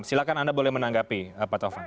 silahkan anda boleh menanggapi pak taufan